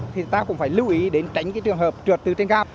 thì ta cũng phải lưu ý đến tránh cái trường hợp trượt từ trên gáp